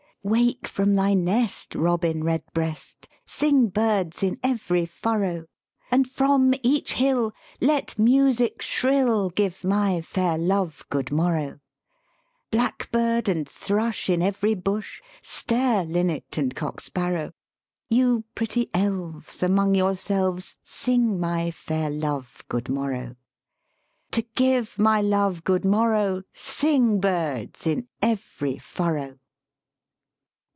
"Wake from thy nest, Robin redbreast, Sing, birds, in every furrow; And from each hill, let music shrill Give my fair Love good morrow! 9 125 THE SPEAKING VOICE Blackbird and thrush in every bush, Stare, linnet, and cock sparrow! You pretty elves, among yourselves Sing my fair Love good morrow; To give my Love good morrow Sing, birds, in every furrow!"